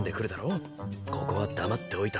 ここは黙っておいた方がいい。